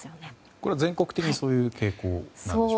これは全国的にそういう傾向なんでしょうか。